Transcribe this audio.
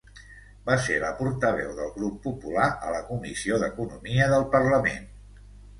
Va ser la portaveu del Grup Popular a la Comissió d'Economia del Parlament.